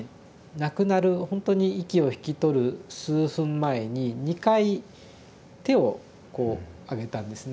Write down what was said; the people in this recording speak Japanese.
亡くなるほんとに息を引き取る数分前に２回手をこうあげたんですね。